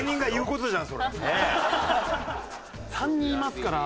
３人いますから。